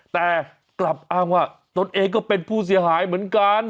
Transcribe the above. แต่กลับอ้างว่าตนเองก็เป็นผู้เสียหายเหมือนกัน